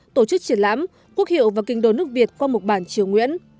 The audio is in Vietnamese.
tổ chức triển lãm quốc hiệu và kinh đô nước việt qua mục bản triều nguyễn